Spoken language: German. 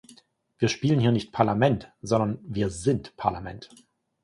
Wir spielen hier nicht Parlament, sondern wir sind Parlament.